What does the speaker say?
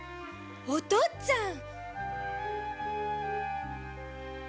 お父っつぁん！？